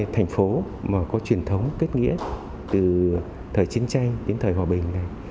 thành phố mà có truyền thống kết nghĩa từ thời chiến tranh đến thời hòa bình này